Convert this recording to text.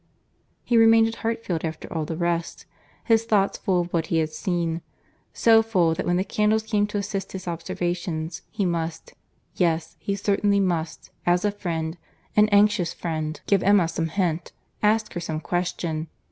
He remained at Hartfield after all the rest, his thoughts full of what he had seen; so full, that when the candles came to assist his observations, he must—yes, he certainly must, as a friend—an anxious friend—give Emma some hint, ask her some question.